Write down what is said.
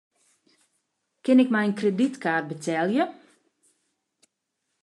Kin ik mei in kredytkaart betelje?